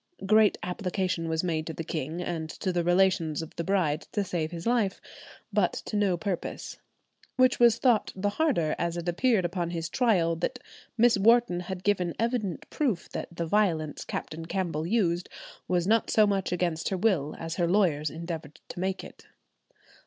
"Great application was made to the king and to the relations of the bride to save his life," but to no purpose, "which was thought the harder, as it appeared upon his trial that Miss Wharton had given evident proof that the violence Captain Campbell used was not so much against her will as her lawyers endeavoured to make it."